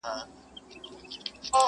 زه یې د قبر سر ته ناست یمه پیالې لټوم,